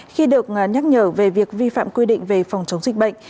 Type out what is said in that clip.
khi được nhắc nhở về việc vi phạm quy định về phòng chống dịch bệnh